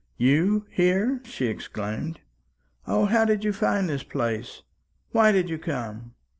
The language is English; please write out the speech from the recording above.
"You here!" she exclaimed. "O, how did you find this place? Why did you come?"